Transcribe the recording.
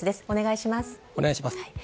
お願いします。